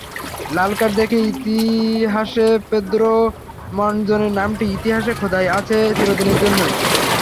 লাল card দেখে ইতিহাসেপেদ্রো মনজনের নামটি ইতিহাসে খোদাই হয়ে আছে চিরদিনের জন্যই।